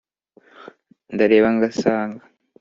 ndareba ngasanga